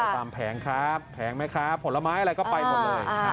ตามแผงครับแผงไหมครับผลไม้อะไรก็ไปหมดเลย